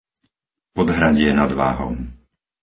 Podhradie nad Váhom